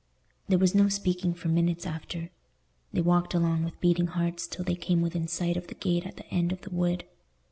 There was no speaking for minutes after. They walked along with beating hearts till they came within sight of the gate at the end of the wood.